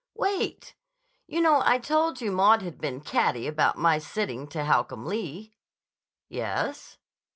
"Wait. You know I told you Maud had been catty about my sitting to Holcomb Lee." "Yes."